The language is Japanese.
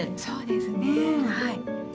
そうですねはい。